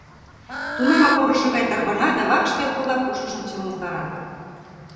Тунамак орышо гай тарвана да вакш велкыла пушыжым чымылтара.